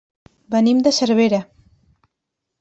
Venim de Cervera.